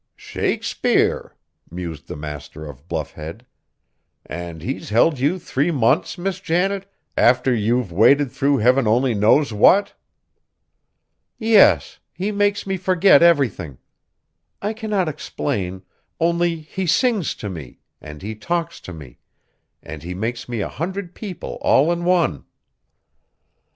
"Shakespeare!" mused the master of Bluff Head, "and he's held you three months, Miss Janet, after you've waded through heaven only knows what?" "Yes: he makes me forget everything. I cannot explain, only he sings to me, and he talks to me, and he makes me a hundred people all in one."